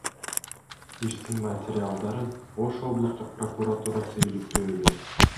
Иштин материалдарын Ош облустук прокуратурасы иликтөөдө.